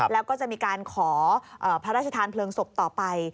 แล้วก็จะมีการขอพระราชทานเพลิงศพต่อไป